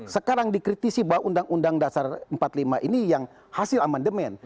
sekarang dikritisi bahwa undang undang dasar empat puluh lima ini yang hasil amandemen